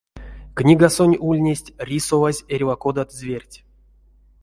Книгасонть ульнесть рисовазь эрьва кодат зверть.